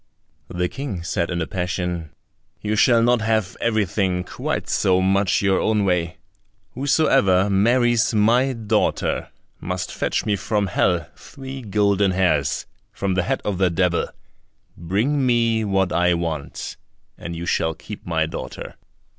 The King said in a passion, "You shall not have everything quite so much your own way; whosoever marries my daughter must fetch me from hell three golden hairs from the head of the devil; bring me what I want, and you shall keep my daughter."